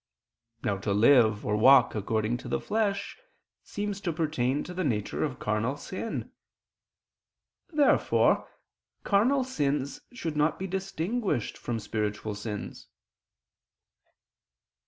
Now to live or walk according to the flesh seems to pertain to the nature of carnal sin. Therefore carnal sins should not be distinguished from spiritual sins.